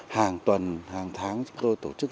hàng tuần hàng tháng chúng tôi tổ chức dự án